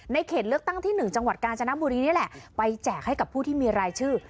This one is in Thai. เขตเลือกตั้งที่๑จังหวัดกาญจนบุรีนี่แหละไปแจกให้กับผู้ที่มีรายชื่อ